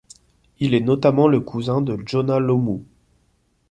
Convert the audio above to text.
Il est notamment le cousin de Jonah Lomu.